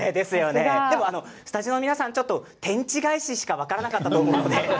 スタジオの皆さんは天地返ししか分からなかったと思います。